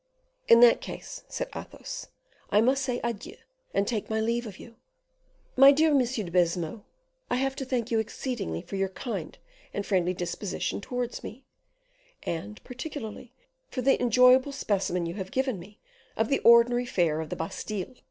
"In that case," said Athos, "I must say adieu, and take my leave of you. My dear Monsieur de Baisemeaux, I have to thank you exceedingly for your kind and friendly disposition towards me, and particularly for the enjoyable specimen you have given me of the ordinary fare of the Bastile."